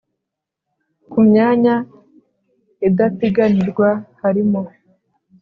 ku myanya idapiganirwa harimo